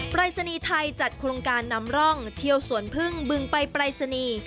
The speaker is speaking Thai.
ปรายศนีย์ไทยจัดโครงการนำร่องเที่ยวสวนพึ่งบึงไปปรายศนีย์